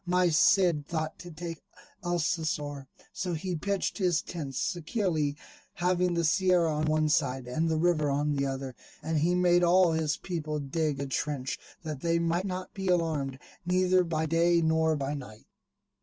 My Cid thought to take Alcocer: so he pitched his tents securely, having the Sierra on one side, and the river on the other, and he made all his people dig a trench, that they might not be alarmed, neither by day nor by night.